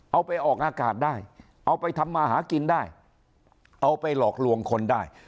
เอาไปออกอากาศได้เอาไปทำมาหากินได้เอาไปหลอกลวงคนได้